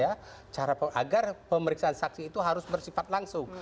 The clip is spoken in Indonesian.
agar pemeriksaan saksi itu harus bersifat langsung